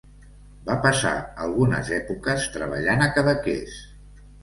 Va passar algunes èpoques treballant a Cadaqués.